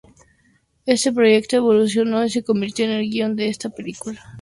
Este proyecto evolucionó y se convirtió en el guion de esta película.